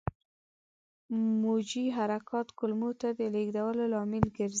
موجي حرکات کولمو ته د لېږدولو لامل ګرځي.